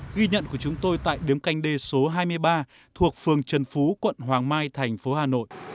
ghi nhận của chúng tôi tại điếm canh đê số hai mươi ba thuộc phường trần phú quận hoàng mai thành phố hà nội